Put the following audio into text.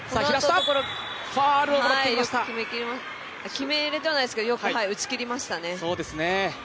決められてはいないですけどよく打ち切りましたね。